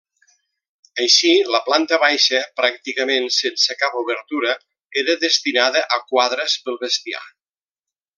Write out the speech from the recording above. Així la planta baixa, pràcticament sense cap obertura, era destinada a quadres pel bestiar.